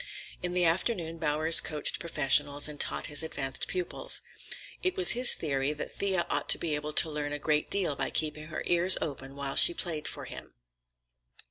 In the afternoon Bowers coached professionals and taught his advanced pupils. It was his theory that Thea ought to be able to learn a great deal by keeping her ears open while she played for him.